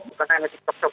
bukan hanya tiktok top